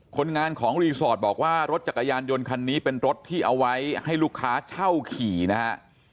คนงานของรีสอร์ทบอกว่ารถจักรยานยนต์คันนี้เป็นรถที่เอาไว้ให้ลูกค้าเช่าขี่นะฮะ